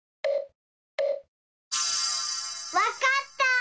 わかった！